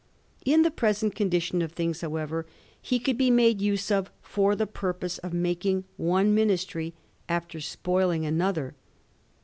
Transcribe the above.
In the present condi tion of things, however, he could be made use of for the purpose of making one ministry after spoiling another.